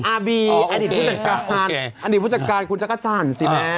อัดดิตผู้จัดการคุณจักรอาจารย์สิแม่